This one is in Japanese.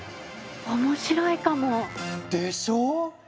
面白いかも。でしょ。